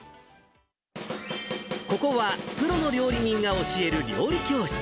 ここは、プロの料理人が教える料理教室。